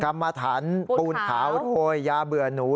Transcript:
กรรมถันปูนขาวโพยยาเบื่อหนู